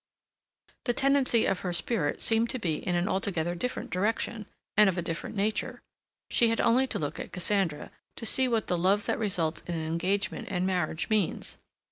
The tendency of her spirit seemed to be in an altogether different direction; and of a different nature. She had only to look at Cassandra to see what the love that results in an engagement and marriage means.